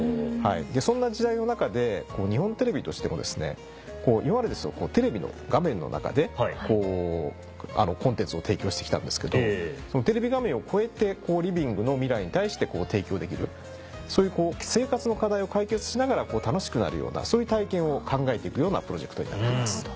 そんな時代の中で日本テレビとしてもですねいわゆるテレビの画面の中でコンテンツを提供してきたんですけどそのテレビ画面を超えてリビングの未来に対して提供できるそういう生活の課題を解決しながら楽しくなるようなそういう体験を考えていくようなプロジェクトになってます。